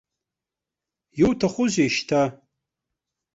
Иуҭахузеи шьҭа?